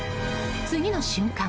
次の瞬間。